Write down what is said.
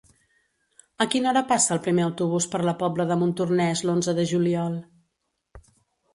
A quina hora passa el primer autobús per la Pobla de Montornès l'onze de juliol?